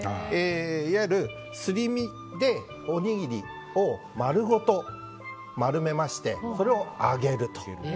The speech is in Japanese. いわゆる、すり身でおにぎりを丸ごと丸めましてそれを揚げると。